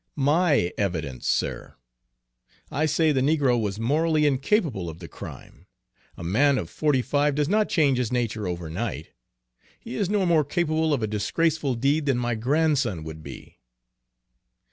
"My evidence, sir! I say the negro was morally incapable of the crime. A man of forty five does not change his nature over night. He is no more capable of a disgraceful deed than my grandson would be!"